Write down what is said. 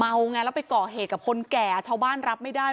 ไงแล้วไปก่อเหตุกับคนแก่ชาวบ้านรับไม่ได้